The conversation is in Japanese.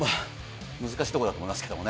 難しいところだと思いますけどね。